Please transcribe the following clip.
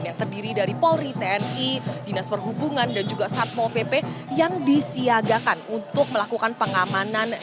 yang terdiri dari polri tni dinas perhubungan dan juga satpol pp yang disiagakan untuk melakukan pengamanan